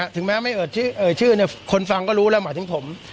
ถึงแม้ไม่เอ่ยชื่อเอ่ยชื่อคนฟังก็รู้แล้วหมายถึงผม